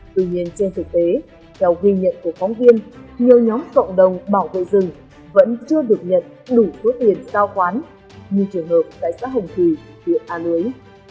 tuy nhiên trên thực tế theo ghi nhận của phóng viên nhiều nhóm cộng đồng bảo vệ rừng vẫn chưa được nhận đủ số tiền giao khoán như trường hợp tại xã hồng kỳ huyện a lưới